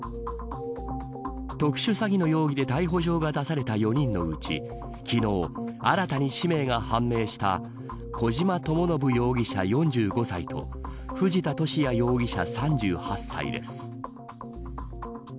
特殊詐欺の容疑で逮捕状が出された４人のうち昨日、新たに氏名が判明した小島智信容疑者、４５歳と藤田聖也容疑者、３８歳です。